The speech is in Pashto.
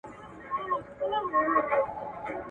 سوله له جګړې څخه ډېره ښه ده.